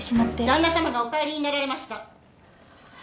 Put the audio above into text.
・旦那さまがお帰りになられました。